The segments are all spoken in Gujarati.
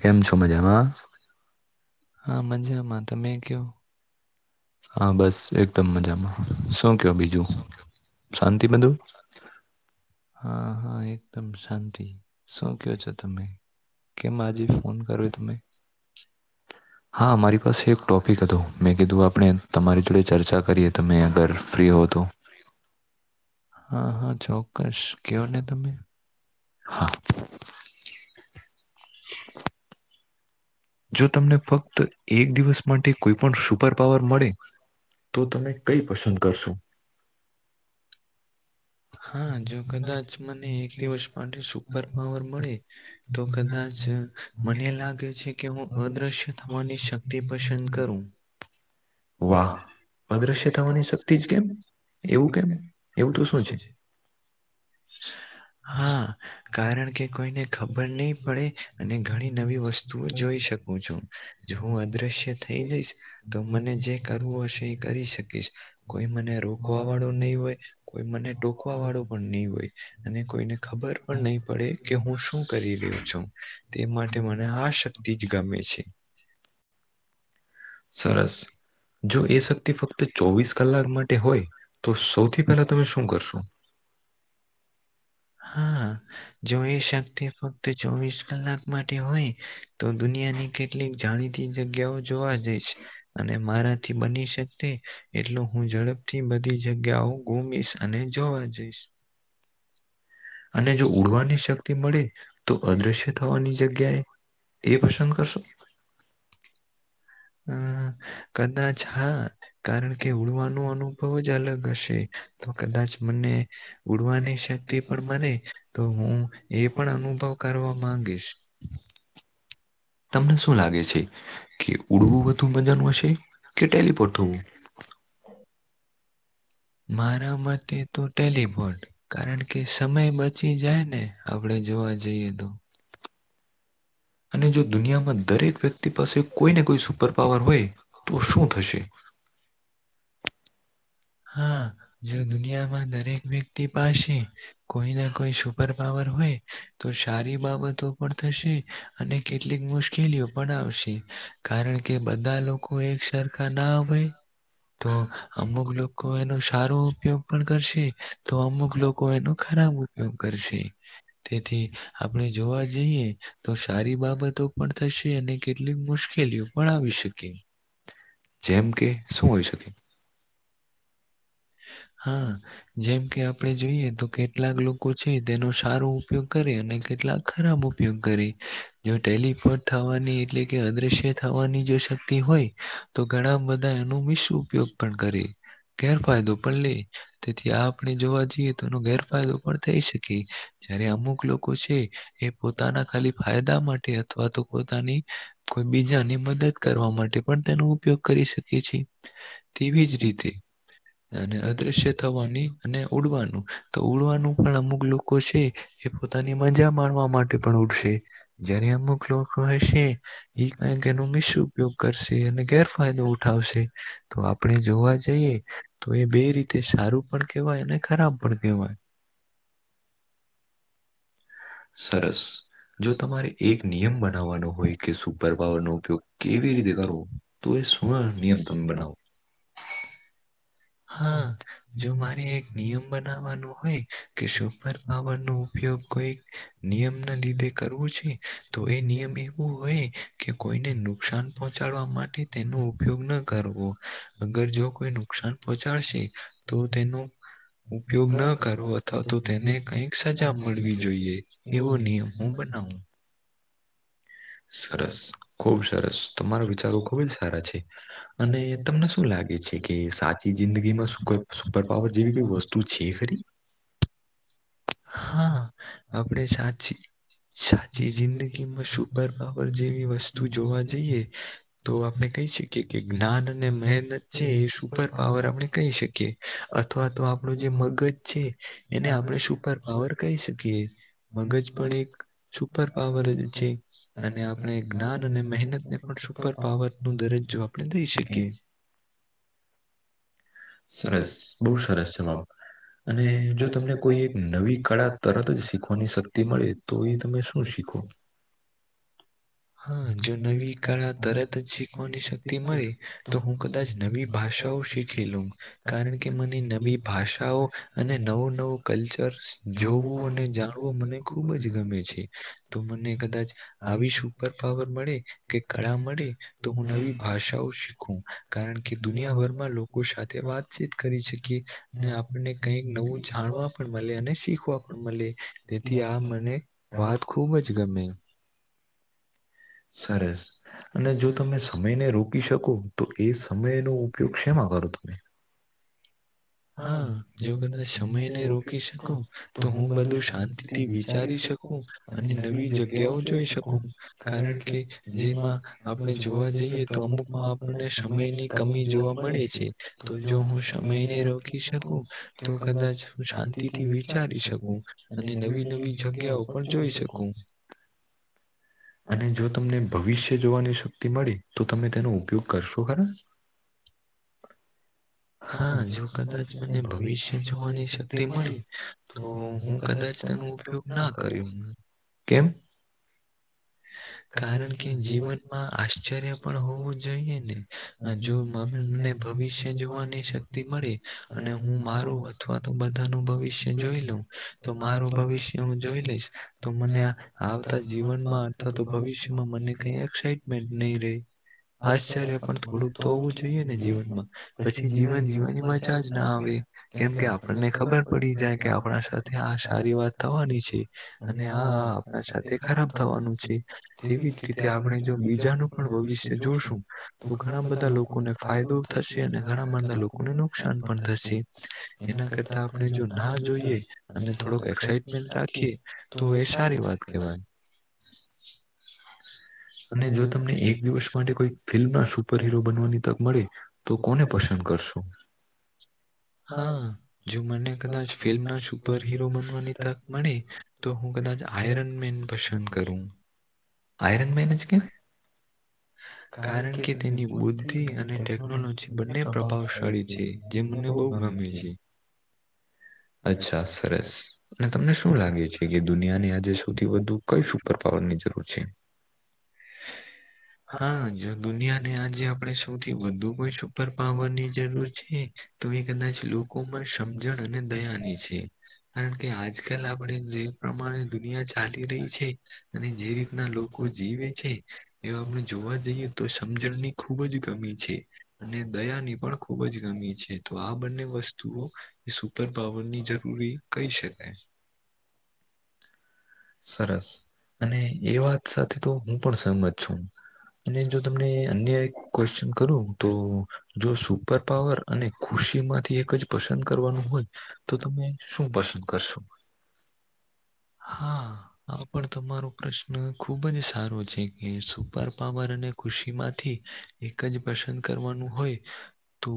કેમ છો? મજામાં? હા મજામાં. તમેં ક્યો. હા બસ એકદમ મજામાં. શું કયો બીજું? શાંતિ બધું? હા, હા એકદમ શાંતિ. શું કયો છો તમે? કેમ આજે ફોન કર્યો તમે? હા મારી પાસે એક ટોપિક હતો. મેં કીધું આપણે તમારી જોડે ચર્ચા કરીએ. તમે અગર ફ્રી હો તો? હા, હા ચોક્કસ. હા. [inaudible] જો તમને ફક્ત એક દિવસ માટે કોઈ પણ શુપર પાવર મળે તો તમે કંઈ પસંદ કરશો? હા. જો કદાચ મને એક દિવસ માટે સુપર પાવર મળે તો કદાચ મને લાગે છે કે હું અદ્રશ્ય થવાની શક્તિ પસંદ કરું. વાહ! અદ્રશ્ય થવાની શક્તિ જ કેમ? એવું કેમ? સ છે હા કારણ કે કોઈને ખબર નહી પડે અને ઘણી નવી વસ્તુઓ જોઈ શકે હું છું જો હું અદ્રશ્ય થઈ જઈશ તો મને જે કરવું હશે એ કરી શકીશ કોઈ મને રોકવા વાળો નહી હોય કોઈ મને ટોકવા વાળો પણ નહી હોય અને કોઈને ખબર પણ નહી પડે કે હું શું કરી રહ્યો છું તે માટે મને આ શક્તિ જ ગમે છે સરસ જો એ શક્તિ ફક્ત ચોવીસ કલાક માટે હોય તો સૌથી પહેલા તમે શું કરશો? હા જો એ શ્ય ફક્ત ચોવીસ કલાક માટે હોય તો દુનિયાની કેટલીક જાણીતી જગ્યાઓ જોવા જઈ છે. અને મારાથી બની શક એટલે હું ઝડપ થી બધી જગ્યાઓ ગુમ અને જોવા જઈશ. અને જો ઉડવાની શક્તિ મળે તો અદ્રશ્ય થવાની જગ્યાએ એ પસંદ કરશો. હમ્મ. કદાચ હા કારણ કે ઉડવાનો અનુભવ જ અલગ હશે. તો કદાચ મને ઉડવાની શક્તિ પણ મળે તો હું એ પણ અનુભવ કરવા માંગીશ. તમને શું લાગે છે કે ઉડવું વધુ ભજન હશે કે ટેલપોટ થવું? હમ [inaudible] મારા મતે તો ટેલિફોન કારણ કે સમય બચી જાય ને! આપણેે જોવા જઈએ તો. અને જો દુનિયામાં દરેક વ્યક્તિ પાસે કોઈ ને કોઈ સુપર પાવર હોય તો શું થશે? હા જો દુનિયામાં દરેક વ્યક્તિ પાસે કોઈ ના કોઈ સુપર પાવર હોય તો સારી બાબતો પણ થશે. અને કેટલીક મુશ્કેલીઓ પણ આવશે. કારણ કે બધા લોકો એક સરખા ના આવેય તો અમુક લોકો લોકો એનો સારો ઉપયોગ પણ કરશે. તો અમુક લોકો એનો ખરાબ ઉપયોગ કરશે. તેથી આપણે જોવા જઈએ તો સારી બાબતો પણ થશે અને કેટલીક મુશ્કેલીઓ પણ આવી શકે. જેમ કે શું હોય શકે? હા જેમ કે આપણે જોઈએ તો કેટલાક લોકો છે તેનો સારો ઉપયોગ કરે. અને કેટલા ખરાબ ઉપયોગ કરે ટેલીપોટ થવાની એટલે કે અદ્રશ્ય થવાની જો શક્તિ હોય તો ઘણા બધા એનો મીશ્ર ઉપયોગ પણ કરે. ગેરફાયદો પણ લે તેથી આપ આપણે જોવા જઈએ તોનો ગેરફાયદો પણ થઈ શકી. જયારે અમુક લોકો છે એ પોતાના ખાલી ફાયદા માટે અથવા તો પોતાની કોઈ બીજાની મદદ કરવા માટે પણ તેનો ઉપયોગ કરી શકી છેએ તેવીજ રીતે અને અદ્રશ્ય થવાની અને ઉડવાનું તો ઉડવાનું પણ અમુક લોકો લોકો છે એ પોતાની મજા માણવા માટે પણ ઉઠશે જયારે અમુક લોકો હશે. એ કંક એનો મિશ્ર ઉપયોગ કરશે અને ગેરફાયદો ઉઠાવશે તો આપણે જોવા જઈએ તો એ બે રીતે સારું પણ કહેવાય ખરાબ પણ કહેવાય. સરસ. જો તમારે એક નિયમ બનાવવાનો હોય કે સુપર પાવર નો ઉપયોગ કેવી રીતે કરવો? તો એ સુણ નિયતમ બનાવ? હા જો મારે એક નિયમ બનાવવાનું હોય કે સુપર પાવર નો ઉપયોગ કોઈ નિયમ ના લીધે કરવું છે તો એ નિયમ એવું હોય કે કોઈને નુકસાન પહોંચાડવા માટે તેનો ઉપયોગ ન કરવો. અગર જો કોઈ નુકસાન પહોચાડશે તો તેનું ઉપયોગ ન કરવો અથવા તો તેને કઈક સજા મળવી જોઈએ. એવો નિયમ હું બનાવું. સરસ ખુબ સરસ તમારા વિચારો ખુબજ સારા છે અને તમને શું લાગે છે. કે સાચી જિંદગીમાં સુપર સુપર પાવર જેવી કઈ વસ્તુ છે ખરી? હા આપડે સાચી સાચી જિંદગીમાં સુ જેવી વસ્તુ જોવા જઈએ તો આપણે કહી શકીએ કે જ્ઞાન અને મહેનત છે સુપર પાવર આપણે કહી શકીએ અથવા તો આપડુ જે મગજ છે એને આપણેે સુપર પાવર કહી શકીએ મગજ પણ એક સૂપર પાવર જ છે અને આપણે જ્ઞાન અને મહેનતને પણ સુપર પાવર નો દરજ્જો આપણે દઈ શકીએ [inaudible] સરસ બહુ સરસ જવાબ અને જો તમને કોઈ એક નવી કળા તરત જ શીખવાની શક્તિ મળે તો એ તમે શું શીખો? હા જો નવી કળા તરત જ શીખવાની શક્તિ મળે તો હું કદાચ નવી ભાષાઓ શીખ ખી લઉં કારણ કે મને નવી ભાષાઓ અને નવું નવું કલ્ચર જોવું અને જાણ વું મને ખુબ જ ગમે છે તો મને કદા આવી સુપર પાવર મળે કે કળા મળે તો હું નવી ભાષાઓ શીખું કારણ કે દુનિયાભરમાં લોકો સા તે વાતચીત કરી શકી ને આપણને કઈક નવું જાણવા પણ મળે અને શીખવા પણ મળે તેથી આ મને વાત ખુબ જ ગમે સરસ અને જો તમે સમયને રોકી શકો તો એ સમય નું પયોગ સેમા કરો તમે હા એ સમયને રોકી શકો તો હું બધું શાંતિથી વિચારી શક કુ અને નવી જગ્યાઓ જોઈ શકું કારણ કે જેમાં આપણે જોવા જઈએ તો અમુકમાં આપણને સમયની કમી જોવા મળે છે તો જો હું સમયને રોકી શકું તો કદાચ શાંતિથી વિચારી શકું અને નવી નવી જગ્યાઓ પણ જોઈ શકું અને જો તમને ભવિષ્ય જોવાની શક્તિ મળી તો તમે તેનો ઉપયોગ કરશો ખરા? [inaudible] હા જો કદાચ મને ભવિષ્ય જોવાની શક્તિ મળે તો હું કદાચ તેનું પયોગ ના કરું કેમ? કારણ કે જીવનમાં આશ્ચર્ય પણ હોવું જોઈએ ને જો મને ભવિષ્ય જોવાની શક્તિ મળી અને હું મારો અથવા તો બધા નું ભવિષ્ય જોઈ લઉં તો મારું ભવિષ્ય હું જોઈ લઈશ તો મને આવતા જીવનમાં અથવા તો ભવિષ્યમાં મને કઈ એક્સાઈટમેન્ટ નહી રેય આશ્ચર્ય પણ થોડુંક તો હોવું જોઈએ ને જીવનમાં પછી જીવન જીવવાની મજા જ ના આવે કેમ કે આપણને ખબર પડી જાય કે આપડા સાથે આ સારી વાત થવાની છે અને આ આપડા સાથે ખરાબ થવાનું છે તેવી જ રીતે આપણે જો બીજાનું પણ ભવિષ્ય જોશું તો ઘણા બધા લોકોને ફાયદો થશે અને ઘણા લોકોને નુકસાન પણ થશે એના કરતા આપણે જો ના જોઈએ અને થોડુંક એક્સાઈટમેન્ટ રાખીએ તો એ સારી વાત કેવાય [inaudible] [inaudible] અને જો તમને એક દિવસ માટે કોઈ ફિલ્મમા સુપર હિરો બનવાની તક મળે તો કોને પસંદ કરસો? હા જો મને કદાચ ફિલ્મ ના સુપર હીરો બનવાની તક મળે તો હું કદાચ આયરન મેન પસંદ કરું આયરન મેનજ કેમ કારણ કે તેની બુદ્ધિ અને ટેકનોલોજી બને પ્રભાવશાળી છે. મને બઉ ગમે છે અચ્છા સરસ અને તમને શું લાગે છે કે દુનિયાની આજે સૌથી વધુ કોઈ સુપર પાવર ની જરૂર છે. હા જો દુનિયા ને આજે આપણેે સૌથી વધુ કોઈ સુપર પાવરની જરૂર છે. તો એ કદાચ લોકોમાં સમજણ અને દયાની છે. કારણ કે આજકાલ આપણે જે પ્રમાણે દુનિયા ચાલી રહી છે અને જે રીતના લોકો કો જીવે છે. એ આપણે જોવા જઈએ તો સમજણની ખુબ જ ગમી છે અને દયા ની પણ ખુબ જ ગમી છે. તો આ બંને વસ્તુઓ સુપર પાવર ની જરૂરી કહી શકાય. [inaudible] સરસ અને એ વાત સાથે તો હું પણ સહમત છું. અને જો તમને અન્ય એક ક્વેશ્ચન કરું તો જો સુપર પાવર અને ખુશી માંથી એક જ પસંદ કરવાનું હોય તો તમે શું પસંદ કરશો [inaudible] હા આ પણ તમારો પ્રશ્ન ખુબ જ સારો છે કે શું સુપરપાવર અને ખુશી માંથી એક જ પસંદ કરવાનું હોય તો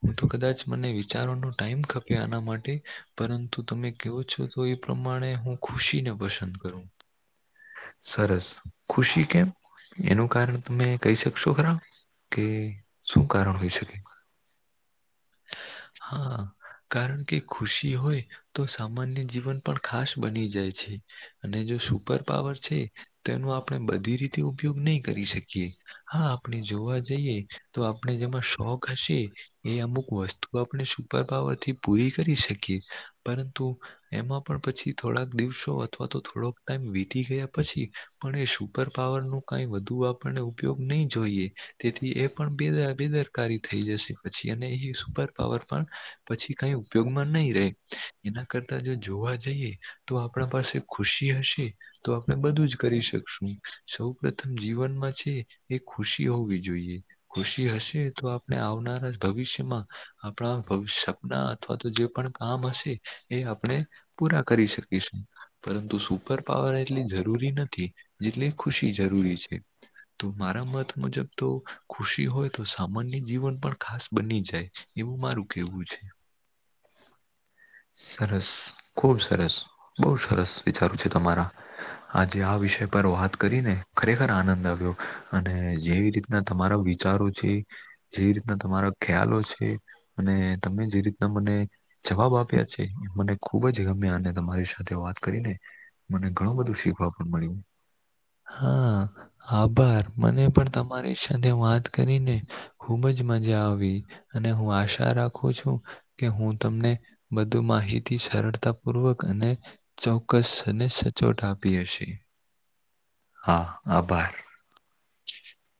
હું તો કદાચ મને વિચારવાનો ટાઈમ ખપે આના માટે પરંતુ તમે કેવો છો તો એ પ્રમાણે હું ખુશી ને પસંદ કરું સરસ ખુશી કેમ એનું કારણ તમે કહી શકશો ખરા કે શું કારણ હોઈ શકે. હા કારણ કે ખુશી હોય તો સામાન્ય જીવન પણ ખાસ બની જાય છે. અને જો સુપરપાવર છે તેમા આપણે બધી રીતે ઉપયોગ નહી કરી શકીએ હા આપણે જોવા જઈએ તો આપણે જેમાં શોખ હશે એ અમુક વસ્તુ આપણે સુપર પાવર થી પૂરી કરી શકીએ. પરંતુ એમાં પણ પછી થોડાક દિવસો અથવા તો થોડોક ટાઈમ વીતી ગયા પછી સુપર પાવર નું કાઈ વધુ આપને ઉપયોગ નહી જોઈએ તેથી એ પણ બેદર કારી થઈ જશે પછી અને એ સુપર પાવર પણ પછી કઈ ઉપયોગમાં નહીં રહે. એના કરતા જો જોવા જઈએ તો આપણા પાસે ખુશી હશે તો આપણે બધું જ કરી શકીએ. શું સૌ પ્રથમ જીવનમાં છે એ ખુશી હોવી જોઈએ. ખુશી હશે તો આપણે આવનારા ભવિષ્યમાં આપણા સપના અથવા તો જે પણ કામ હશે એ આપણે પૂરા કરી શકીશું પરંતુ સુપરપાવર એટલી જરૂરી નથી જેટલે ખુશી જરૂરી છે. તો મારા મત મુજબ તો ખુશી હોય તો સામાન્ય જીવન પણ ખાસ બની જાય. એવું મારું કેવું છે. [inaudible] સરસ ખુબ સરસ બહુ સરસ વિચારું છે તમારા આજે આ વિષય પર વાત કરીને ખરેખર આનંદ આવ્યો અને જેવી રીતના તમારા વિચારો છે જે રીતના તમારો ખ્યાલો છે. અને તમે જે રીતના મને જવાબ આપ્યા છે મને ખુબ જ ગમ્યા અને તમારી સાથે વાત કરીને મને ઘણું બધું શીખવા પણ મળ્યું. હા આભાર મને પણ તમારી સાથે વાત કરીને ખુબ જ મજા આવી અને હું આશા રાખું છું કે હું તમને બધુ માહિતી સરળતા પૂર્વક અને ચોક્કસ અને સચોટ આપી હશે. હા આભાર [inaudible]